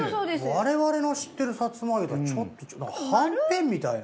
我々の知ってるサツマ揚げとはちょっと違うはんぺんみたいな。